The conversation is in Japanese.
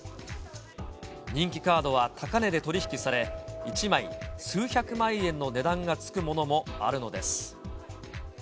人気カードは高値で取り引きされ、１枚数百万円の値段が付くものもあるのです。